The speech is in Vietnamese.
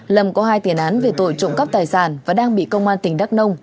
lầm có hai tiền án về tội trộm cắp tài sản và đang bị công an tỉnh đắk nông